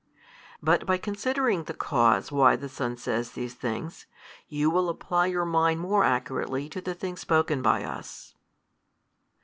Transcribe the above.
But by considering the cause why the Son says these things, you will apply your mind more accurately to the things spoken by us.